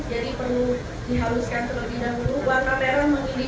dan tamu undangan yang telah hadir